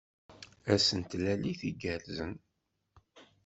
Ass n tlalit igerrzen.